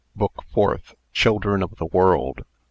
BOOK FOURTH. CHILDREN OF THE WORLD.